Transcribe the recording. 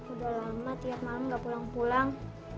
udah lama tiap malam gak pulang pulang